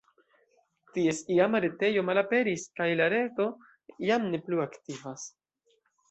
Ties iama retejo malaperis kaj la reto jam ne plu aktivas.